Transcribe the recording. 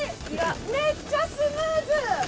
めっちゃスムーズ！